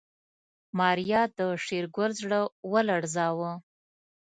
ماريا د شېرګل زړه ولړزاوه.